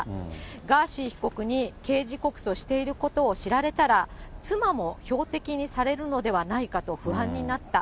ガーシー被告に刑事告訴していることを知られたら、妻も標的にされるのではないかと不安になった。